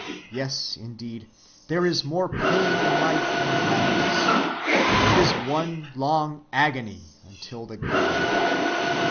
Yes, indeed, there is more pain in life than gladness—it is one long agony until the grave.